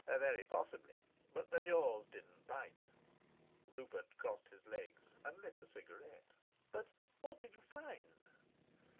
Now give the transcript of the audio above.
"Very possibly, but the jaws didn't bite." Rupert crossed his legs and lit a cigarette. "But what did you find?"